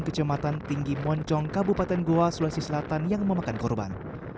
kecematan tinggi moncong kabupaten goa sulawesi selatan yang memakan korban